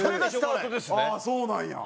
ああそうなんや。